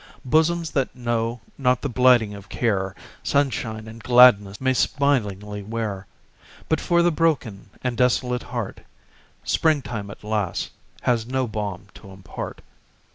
Bosoms that know not the blighting of care, Sunshine and gladness may smilingly wear; But for the broken and desolate heart Springtime, alas! has no balm to impart.